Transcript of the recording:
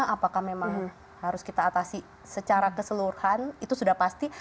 apakah memang harus kita atasi secara keseluruhan itu sudah pasti